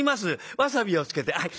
わさびをつけてはい。